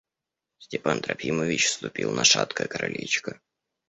Степан Трофимович ступил на шаткое крылечко.